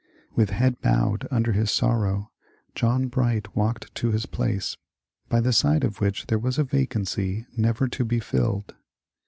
With head bowed under his sorrow, John Bright walked to his place, by the side of which there was a vacancy never to be filled.